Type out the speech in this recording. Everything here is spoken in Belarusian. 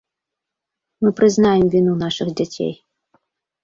Мы прызнаем віну нашых дзяцей.